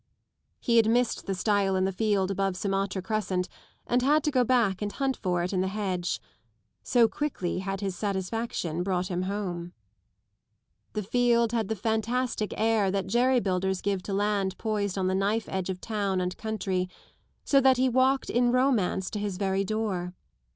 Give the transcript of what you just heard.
He had missed the stile in the field above Sumatra Crescent and had to go back and hunt for it in the hedge. So quickly had his satisfaction borne him home. The field had the fantastic air that jerry builders give to land poised on the knife edge of town and country, so that he walked in romance to his very door.